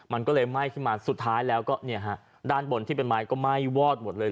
มันก็เลยไหม้ขึ้นมาสุดท้ายแล้วก็เนี่ยฮะด้านบนที่เป็นไม้ก็ไหม้วอดหมดเลย